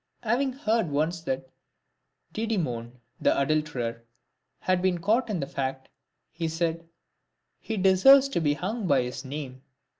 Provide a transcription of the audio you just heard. Having heard once that Didymon the adulterer, had been caught in the fact, he said, " He deserves to be hung by his name."